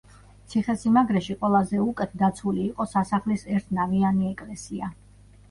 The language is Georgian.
ციხესიმაგრეში ყველაზე უკეთ დაცული იყო სასახლის ერთნავიანი ეკლესია.